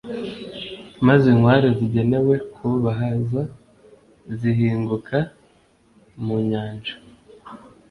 maze inkware zigenewe kubahaza, zihinguka mu nyanja